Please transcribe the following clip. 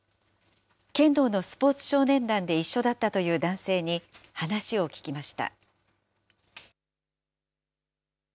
剣道のスポーツ少年団で一緒だったという男性に話を聞きました。